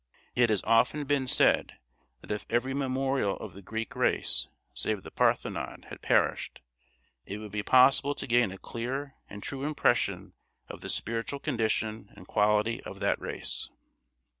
It has often been said that if every memorial of the Greek race save the Parthenon had perished, it would be possible to gain a clear and true impression of the spiritual condition and quality of that race.